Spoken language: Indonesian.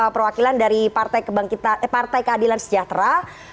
perwakilan dari partai keadilan sejahtera